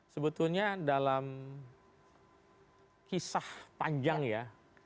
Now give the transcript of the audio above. sebetulnya dalam kisah panjang ya